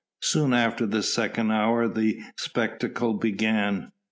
Soon after the second hour the spectacle began.